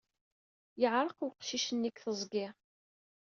Yeɛreq weqcic-nni deg teẓgi.